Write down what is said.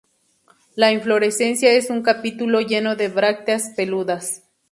La inflorescencia es un capítulo lleno de brácteas peludas.